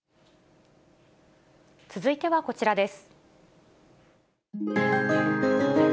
続いてはこちらです。